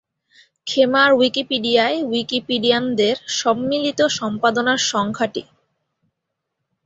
খেমার উইকিপিডিয়ায় উইকিপিডিয়ানদের সম্মিলিত সম্পাদনার সংখ্যা টি।